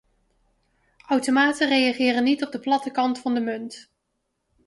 Automaten reageren niet op de platte kant van de munt.